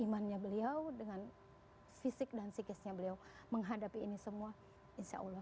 di zaman yang paling indah atau semoga allah memperjanjikan pai jugukku itu untuk seluruh b granted untuk dia secara pekerja